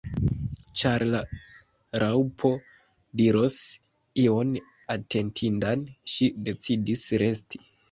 Ĉar la Raŭpo diros ion atentindan, ŝi decidis resti.